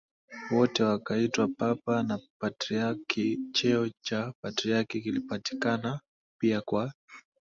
wote wakaitwa Papa na Patriarki Cheo cha Patriarki kilipatikana pia kwa